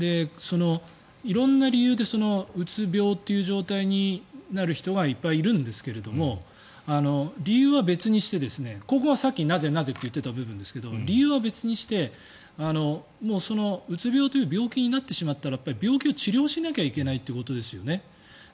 色んな理由でうつ病という状態になる人がいっぱいいるんですけども理由は別にしてここはさっき、なぜなぜと言っていた部分ですが理由は別にして、うつ病という病気になってしまったら病気を治療しなきゃいけないということですよね。